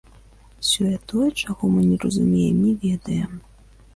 Сёе-тое, чаго мы не разумеем, не ведаем.